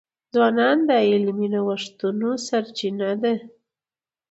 ځوانان د علمي نوښتونو سرچینه دي.